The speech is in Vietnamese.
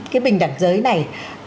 cái bình đẳng giới này